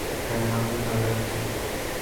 হ্যাঁ, আমিও তাদের একজন।